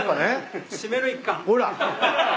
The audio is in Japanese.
ほら。